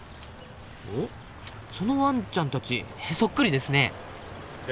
おっそのワンちゃんたちそっくりですね。